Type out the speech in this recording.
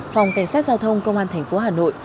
phòng cảnh sát giao thông công an tp hà nội